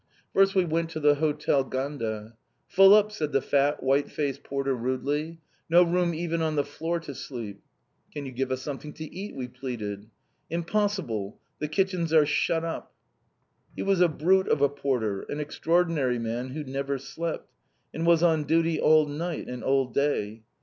First we went to the Hotel Ganda. "Full up!" said the fat, white faced porter rudely. "No room even on the floor to sleep." "Can you give us something to eat?" we pleaded. "Impossible! The kitchens are shut up." He was a brute of a porter, an extraordinary man who never slept, and was on duty all night and all day.